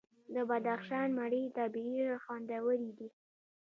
د بدخشان مڼې طبیعي او خوندورې دي.